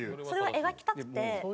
それを描きたくて。